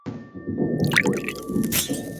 তু-ভায়া প্রথমে একটু আধটু গোল করে সামলে বসে আছেন।